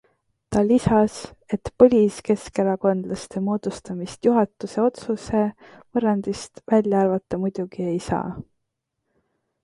Ta lisas, et põliskeskerakondlaste moodustamist juhatuse otsuse võrrandist välja arvata muidugi ei saa.